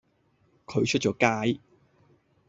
佢出咗街